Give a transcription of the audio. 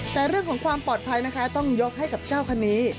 แต่เรื่องของความปลอดภัยนะคะต้องยกให้กับเจ้าคณี